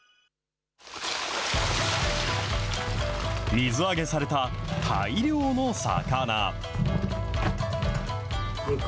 水揚げされた大量の魚。